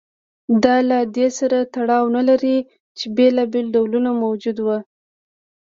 دا له دې سره تړاو نه لري چې بېلابېل ډولونه موجود و